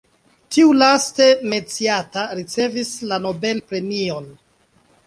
Tiu laste menciata ricevis la Nobel Premion.